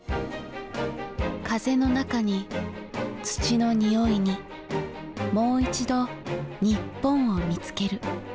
風の中に、土のにおいにもう一度日本を見つける。